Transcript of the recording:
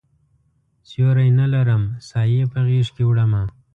سیوری نه لرم سایې په غیږکې وړمه